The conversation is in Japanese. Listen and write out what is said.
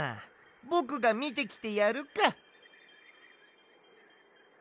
ぼくがみてきてやるか！